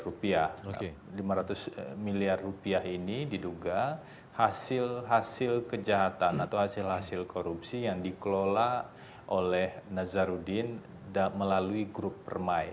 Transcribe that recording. rp lima ratus miliar rupiah ini diduga hasil hasil kejahatan atau hasil hasil korupsi yang dikelola oleh nazarudin melalui grup permai